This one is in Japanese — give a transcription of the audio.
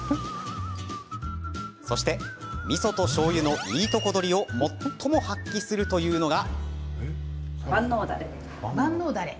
そして、みそとしょうゆのいいとこ取りを最も発揮するというのが。